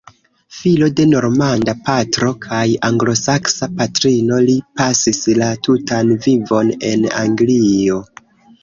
Filo de normanda patro kaj anglosaksa patrino, li pasis la tutan vivon en Anglio.